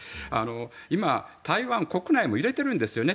今、台湾国内も揺れてるんですよね。